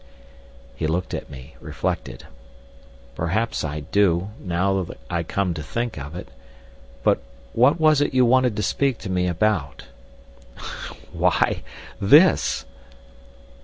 He looked at me—reflected. "Perhaps I do, now I come to think of it. But what was it you wanted to speak to me about?" "Why, this!"